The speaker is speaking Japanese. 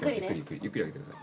ゆっくり開けてください。